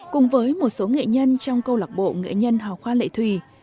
cùng với một số nghệ nhân trong câu lạc bộ nghệ nhân họ khoan lệ thủy